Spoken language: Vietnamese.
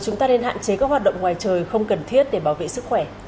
chúng ta nên hạn chế các hoạt động ngoài trời không cần thiết để bảo vệ sức khỏe